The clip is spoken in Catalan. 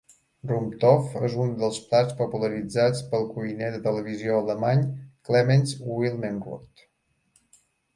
Rumtopf és un dels plats popularitzats pel cuiner de televisió alemany Clemens Wilmenrod.